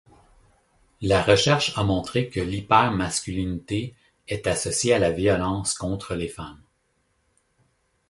La recherche a montré que l'hyper-masculinité est associée à la violence contre les femmes.